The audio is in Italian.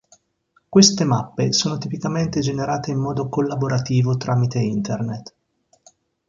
Queste mappe sono tipicamente generate in modo collaborativo tramite Internet.